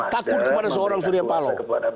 takut kepada seorang suryapalo